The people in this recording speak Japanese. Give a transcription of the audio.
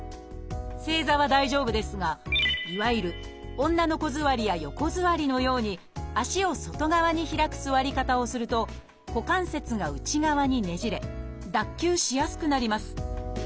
正座は大丈夫ですがいわゆる女の子座りや横座りのように足を外側に開く座り方をすると股関節が内側にねじれ脱臼しやすくなります。